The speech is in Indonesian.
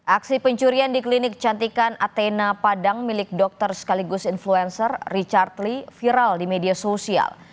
aksi pencurian di klinik kecantikan athena padang milik dokter sekaligus influencer richard lee viral di media sosial